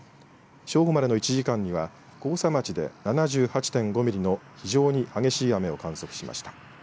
正午までの１時間には甲佐町で７８．５ミリの非常に激しい雨を観測しました。